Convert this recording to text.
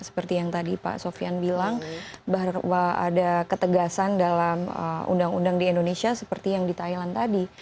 seperti yang tadi pak sofian bilang bahwa ada ketegasan dalam undang undang di indonesia seperti yang di thailand tadi